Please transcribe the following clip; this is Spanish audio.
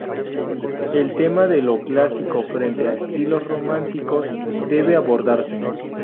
El tema de lo clásico frente a estilos románticos debe abordarse.